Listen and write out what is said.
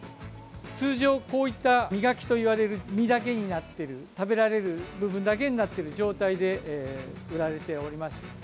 通常、こういった身欠きといわれる身だけになっている食べられる部分だけになっている状態で売られています。